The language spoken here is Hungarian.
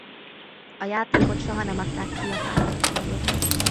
A játékot soha nem adták ki Japánon kívül.